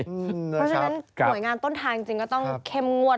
เพราะฉะนั้นหน่วยงานต้นทางจริงก็ต้องเข้มงวด